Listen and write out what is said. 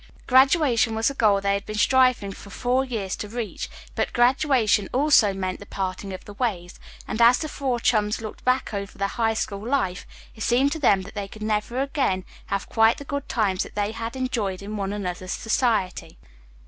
Graduation was the goal they had been striving for four years to reach, but graduation meant also the parting of the ways, and as the four chums looked back over their High School life it seemed to them that they could never again have quite the good times that they had enjoyed in one another's society.